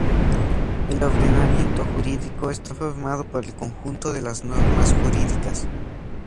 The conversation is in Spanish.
El ordenamiento jurídico está formado por el conjunto de las normas jurídicas.